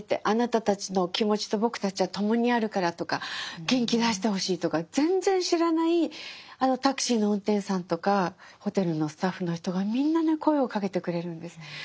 「あなたたちの気持ちと僕たちは共にあるから」とか「元気出してほしい」とか全然知らないタクシーの運転手さんとかホテルのスタッフの人がみんなね声をかけてくれるんです。